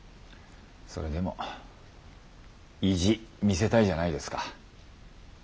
それでも意地見せたいじゃないですか。